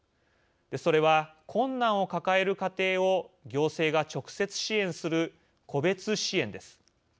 それは困難を抱える家庭を行政が直接支援する個別支援です。